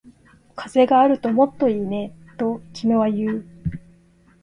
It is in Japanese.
風があるともっといいね、と君は言う